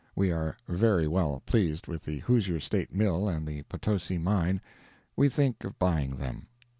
We are very well pleased with the Hoosier State mill and the Potosi mine—we think of buying them.